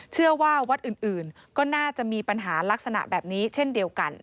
เชื่อว่าวัดอื่นก็น่าจะมีปัญหาลักษณะแบบนี้เช่นเดียวกัน